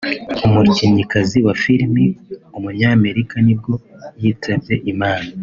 umukinnyikazi wa film w’umunyamerika nibwo yitabye Imana